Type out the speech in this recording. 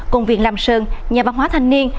công viên lam sơn nhà văn hóa thanh niên